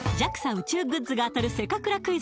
宇宙グッズが当たるせかくらクイズ